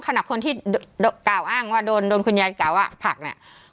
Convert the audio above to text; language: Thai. ขณะคนที่กล่าวอ้างว่าโดนโดนคุณยายกล่าวว่าผักเนี่ย